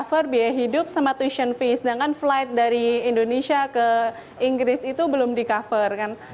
cover biaya hidup sama tuition fee sedangkan flight dari indonesia ke inggris itu belum di cover kan